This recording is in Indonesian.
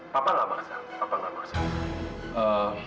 papa enggak merasa